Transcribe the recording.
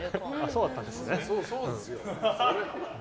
そうだったんですね。